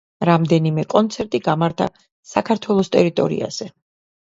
რამდენიმე კონცერტი გამართა საქართველოს ტერიტორიაზე.